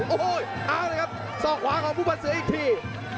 โอ้โหอ้าวซอกควาน่องคุณเบ้นเล็กอีกที